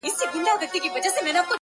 دشنو وښو توشکې باغچه کې واچوه